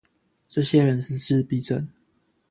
這些人是自閉症